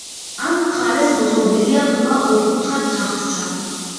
ამ მხარეს მოწყობილია ღრმა ოთხკუთხა თახჩა.